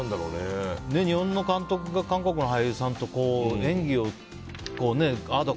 日本の監督が韓国の俳優さんと演技をああだ